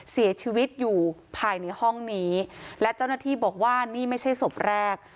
เสียชีวิตอยู่ภายในห้องนี้และเจ้าหน้าที่บอกว่านี่ไม่ใช่ศพแรก